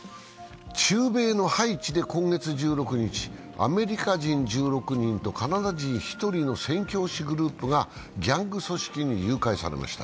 中米のハイチで今月１６日、アメリカ人１６人とカナダ人１人の宣教師グループがギャング組織に誘拐されました。